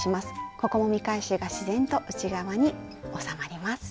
ここも見返しが自然と内側に収まります。